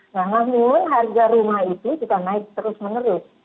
nah namun harga rumah itu juga naik terus menerus